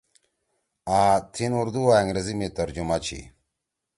آں تھیِن اردو او انگریزی می ترجمہ چھی۔